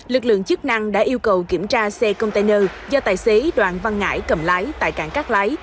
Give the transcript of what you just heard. lực lượng chức năng đã yêu cầu kiểm tra xe container do tài xế đoàn văn ngãi cầm lái tại cảng cát lái